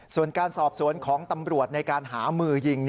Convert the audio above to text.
ส่วนการสอบสวนของตำรวจในการหามือยิง